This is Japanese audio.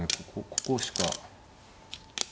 ここここしか。